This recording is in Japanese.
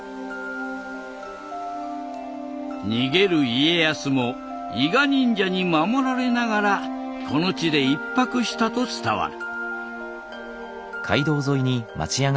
逃げる家康も伊賀忍者に守られながらこの地で一泊したと伝わる。